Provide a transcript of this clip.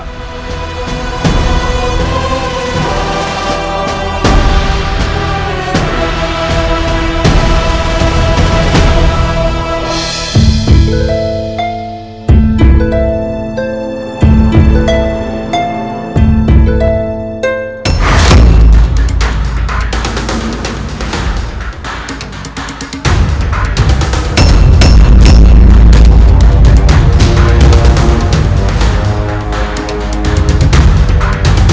kita sedang dibawa